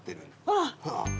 ああ。